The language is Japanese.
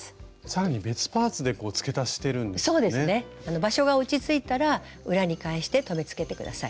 場所が落ち着いたら裏に返して留めつけて下さい。